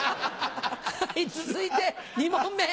続いて２問目！